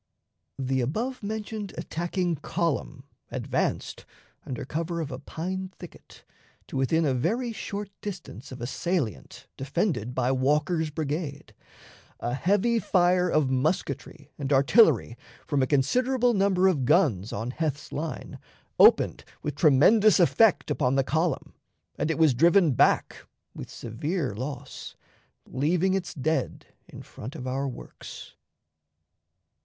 The above mentioned attacking column advanced, under cover of a pine thicket, to within a very short distance of a salient defended by Walker's brigade. A heavy fire of musketry and artillery, from a considerable number of guns on Heth's line, opened with tremendous effect upon the column, and it was driven back with severe loss, leaving its dead in front of our works.